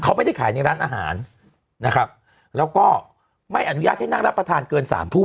เขาไม่ได้ขายในร้านอาหารนะครับแล้วก็ไม่อนุญาตให้นั่งรับประทานเกินสามทุ่ม